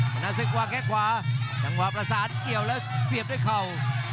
ชนะศึกวางแค่ขวาจังหวะประสานเกี่ยวแล้วเสียบด้วยเข่า